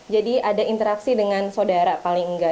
jadi ada interaksi dengan saudara paling enggak